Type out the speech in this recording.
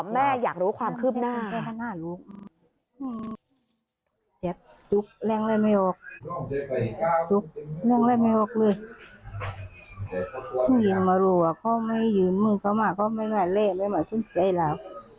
แม่อยากรู้ความคืบหน้า